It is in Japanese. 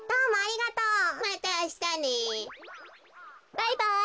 バイバイ。